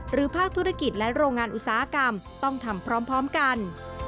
ภาคธุรกิจและโรงงานอุตสาหกรรมต้องทำพร้อมกัน